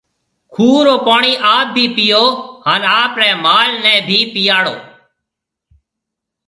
کُوه رو پوڻِي آپ ڀِي پئيو هانَ آپرياَ مال ڀِي پئياڙو۔